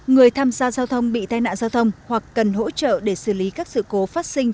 người tham gia giao thông bị tai nạn giao thông hoặc cần hỗ trợ để xử lý các sự cố phát sinh